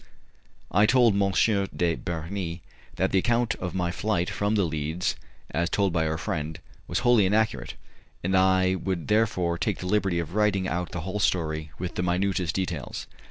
I told M. de Bernis that the account of my flight from The Leads, as told by our friend, was wholly inaccurate, and I would therefore take the liberty of writing out the whole story with the minutest details.